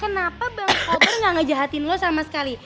kenapa bang koper gak ngejahatin lo sama sekali